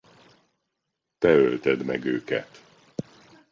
Te ölted meg őket!